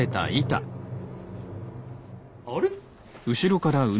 あれ？